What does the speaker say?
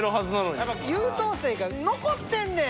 やっぱ優等生が残ってんねん。